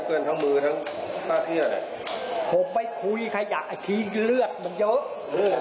ผมไม่คุยขยะที่เลือดมาเยอะ